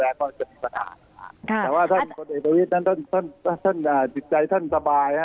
แต่ว่าถ้าท่านกฎเอกประวิทย์ถ้าท่านติดใจท่านสบาย